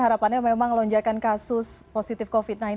harapannya memang lonjakan kasus positif covid sembilan belas